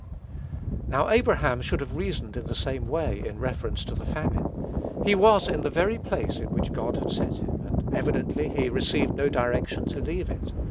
Now, Abraham should have reasoned in the same way, in reference to the famine. He was in the very place in which God had set him; and, evidently, he received no direction to leave it.